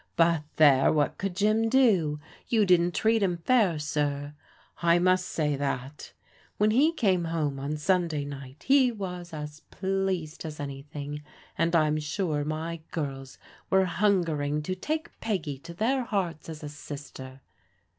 But there, what could Jim do? You didn't treat him fair, sir. I must say that. When he came home on Stmday night, he was as pleased as an3rthing, and I'm sure my girls were himgering to take Peggy to their hearts as a sister.